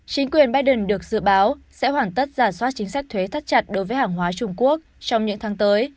chính quyền biden được dự báo sẽ hoàn tất giả soát chính sách thuế thắt chặt đối với hàng hóa trung quốc trong những tháng tới